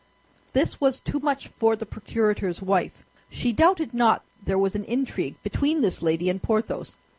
This was too much for the procurator's wife; she doubted not there was an intrigue between this lady and Porthos.